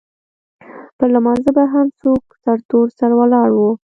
پر لمانځه به هم څوک سرتور سر ولاړ وو.